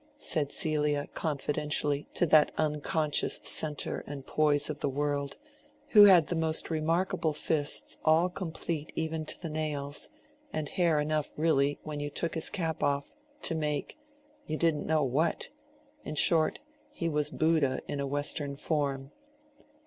said Celia confidentially to that unconscious centre and poise of the world, who had the most remarkable fists all complete even to the nails, and hair enough, really, when you took his cap off, to make—you didn't know what:—in short, he was Bouddha in a Western form.